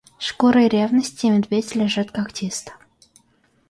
Шкурой ревности медведь лежит когтист.